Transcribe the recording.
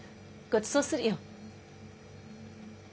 ごちそうするよ。